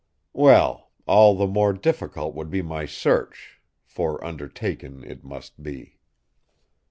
Well! all the more difficult would be my search; for undertaken it must be!